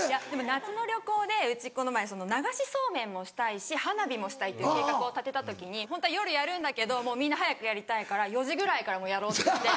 夏の旅行でうちこの前流しそうめんもしたいし花火もしたいっていう計画を立てた時にホントは夜やるんだけどみんな早くやりたいから４時ぐらいからもうやろうとして。